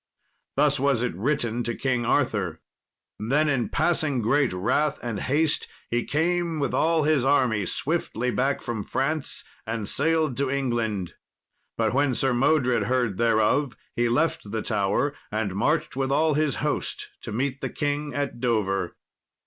Thus was it written to King Arthur. Then, in passing great wrath and haste, he came with all his army swiftly back from France and sailed to England. But when Sir Modred heard thereof, he left the Tower and marched with all his host to meet the king at Dover.